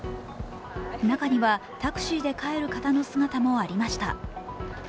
中にはタクシーで帰る方の姿もありました。